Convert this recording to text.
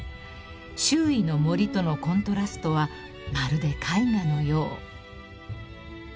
［周囲の森とのコントラストはまるで絵画のよう］